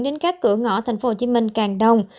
đến các cửa ngõ tp hcm càng đông